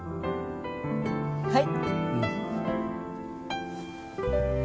はい。